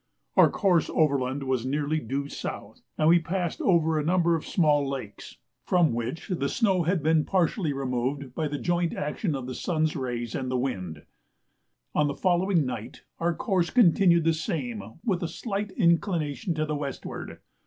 Our course overland was nearly due south, and we passed over a number of small lakes, from which the snow had been partially removed by the joint action of the sun's rays and the wind. On the following night our course continued the same with a slight inclination to the westward.